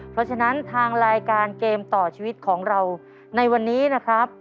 เพราะฉะนั้นทางรายการเกมต่อชีวิตของเราในวันนี้นะครับ